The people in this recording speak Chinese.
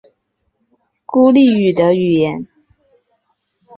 孤立语的语言。